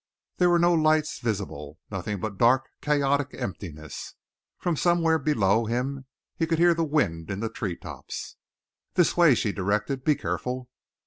There were no lights visible nothing but dark, chaotic emptiness. From somewhere below him he could hear the wind in the tree tops. "This way," she directed. "Be careful."